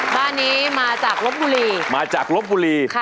บ้านนี้มาจากลบบุรีมาจากลบบุรี